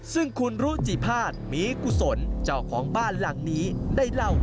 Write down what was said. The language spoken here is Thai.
ซึ่งคุณรุจิภาษมีกุศลเจ้าของบ้านหลังนี้ได้เล่า